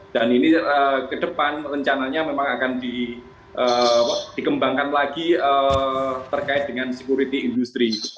dan ini ke depan rencananya memang akan dikembangkan lagi terkait dengan security industry